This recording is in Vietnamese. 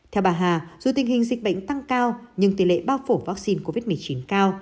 theo bà hà dù tình hình dịch bệnh tăng cao nhưng tỷ lệ bao phủ vaccine covid một mươi chín cao